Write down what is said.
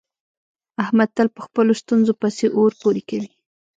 احمد تل په خپلو ستونزو پسې اور پورې کوي.